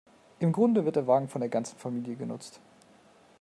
Im Grunde wird der Wagen von der ganzen Familie genutzt.